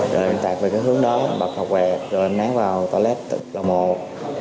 rồi ẩn tạc về cái hướng đó ẩn bật phỏng vàng rồi ẩn nán vào toilet tực lòng một